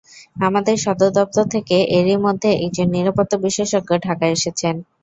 আমাদের সদর দপ্তর থেকে এরই মধ্যে একজন নিরাপত্তা বিশেষজ্ঞ ঢাকায় এসেছেন।